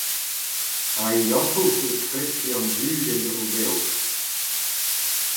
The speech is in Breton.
A-yoc'hoù e kreske an dud en-dro dezho.